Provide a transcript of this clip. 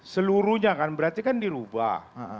seluruhnya kan berarti kan dirubah